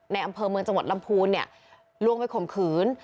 อำเภอเมืองจังหวัดลำพูนเนี่ยลวงไปข่มขืน